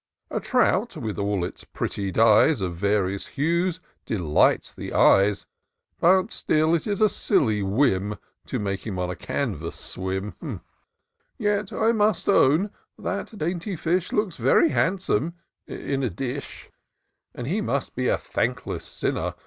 A trout, with all its pretty dyes Of various hues, delights the eyes ; But still it is a silly whim To make him on a canvass swim : Yet, I must own, that dainty fish Looks very handsome in a dish ; And he must be a thankless sinner.